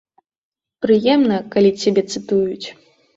Прыемна, калі цябе цытуюць.